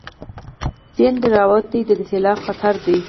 سيند راوتی دی، د سېلاب خطره ده